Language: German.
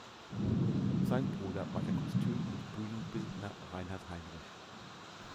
Sein Bruder war der Kostüm- und Bühnenbildner Reinhard Heinrich.